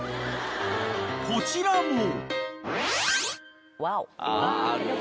［こちらも］